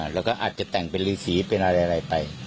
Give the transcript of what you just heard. แล้วก็อาจจะแต่งเป็นฤษีเป็นอะไรไป